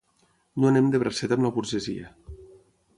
No anem de bracet amb la burgesia.